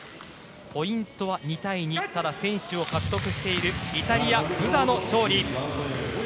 ポイントは２対２先取を獲得しているイタリア、ブザの勝利。